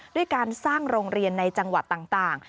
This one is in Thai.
ด้วยการสร้างโรงเรียนในจังหวัดต่าง